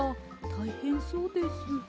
たいへんそうです。